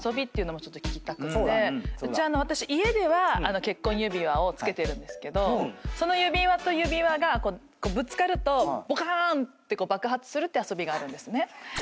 私家では結婚指輪を着けてるんですけどその指輪と指輪がこうぶつかるとボカーン！って爆発するっていう遊びがあるんですね。